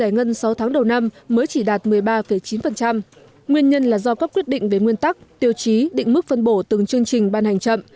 nguyên nhân là do các quyết định về nguyên tắc tiêu chí định mức phân bổ từng chương trình ban hành chậm